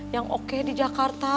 yang oke di jakarta